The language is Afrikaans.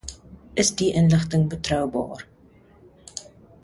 Is die inligting betroubaar?